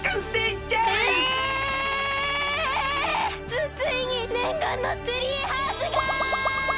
つついにねんがんのツリーハウスが！